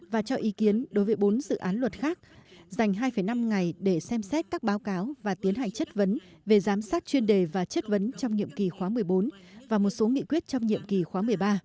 và cho ý kiến đối với bốn dự án luật khác dành hai năm ngày để xem xét các báo cáo và tiến hành chất vấn về giám sát chuyên đề và chất vấn trong nhiệm kỳ khóa một mươi bốn và một số nghị quyết trong nhiệm kỳ khóa một mươi ba